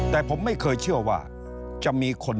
แต่ผมไม่เคยเชื่อว่า